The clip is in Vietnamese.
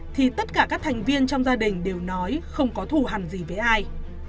thì tất cả các thành viên trong gia đình đều nói không có thù hẳn gì với ai